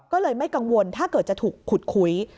ก็เลยไม่กังวลถ้าเกิดจะถูกขุดคุย